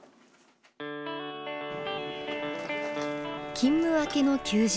勤務明けの休日。